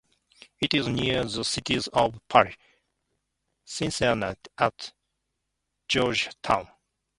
It is near the cities of Paris, Cynthiana, and Georgetown.